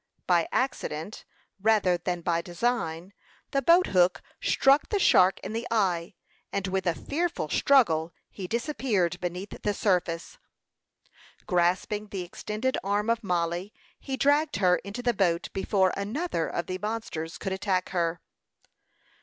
By accident, rather than by design, the boat hook struck the shark in the eye; and with a fearful struggle he disappeared beneath the surface. Grasping the extended arm of Mollie, he dragged her into the boat before another of the monsters could attack her.